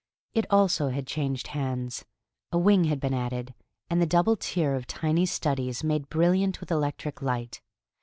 It also had changed hands: a wing had been added, and the double tier of tiny studies made brilliant with electric light.